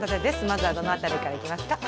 まずはどの辺りからいきますか？